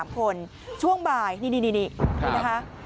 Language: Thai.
๓คนช่วงบ่ายนี่นะคะ